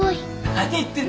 何言ってんだよ。